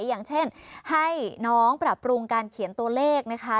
อย่างเช่นให้น้องปรับปรุงการเขียนตัวเลขนะคะ